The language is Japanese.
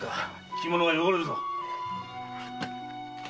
着物が汚れるぞ。